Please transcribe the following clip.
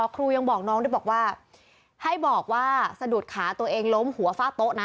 ครูยังบอกน้องด้วยบอกว่าให้บอกว่าสะดุดขาตัวเองล้มหัวฝ้าโต๊ะนะ